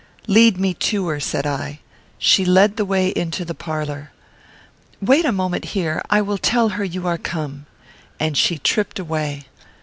"Lead me to her," said I. She led the way into the parlour. "Wait a moment here; I will tell her you are come;" and she tripped away.